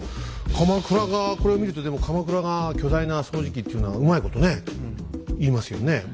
鎌倉がこれを見るとでも鎌倉が巨大な掃除機っていうのはうまいことね言いますよね。